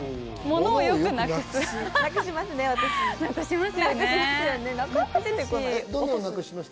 物をよくなくす。